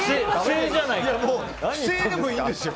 不正でもいいんですよ